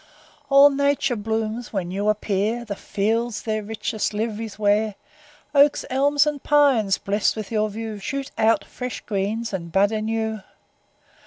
All nature blooms when you appear; The fields their richest liv'ries wear; Oaks, elms, and pines, blest with your view, Shoot out fresh greens, and bud anew.